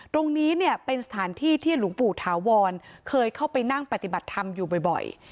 ตรงนี้เนี่ยเป็นสถานที่ที่หลวงปู่ถาวรเคยเข้าไปนั่งปฏิบัติธรรมอยู่บ่อย